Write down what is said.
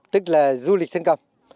tức là du lịch thiên cầm